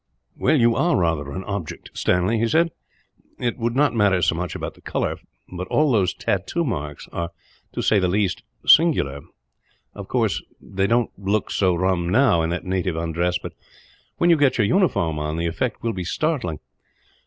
"Well, you are rather an object, Stanley," he said. "It would not matter so much about the colour, but all those tattoo marks are, to say the least of it, singular. Of course they don't look so rum, now, in that native undress; but when you get your uniform on, the effect will be startling.